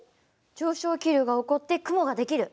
上昇気流が起こって雲が出来る。